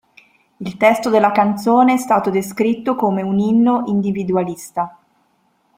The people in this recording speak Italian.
Il testo della canzone è stato descritto come un "inno individualista".